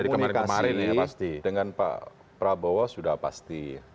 komunikasi dengan pak prabowo sudah pasti